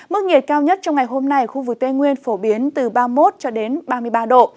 mức nhiệt cao nhất trong ngày hôm nay ở khu vực tây nguyên phổ biến từ ba mươi một cho đến ba mươi ba độ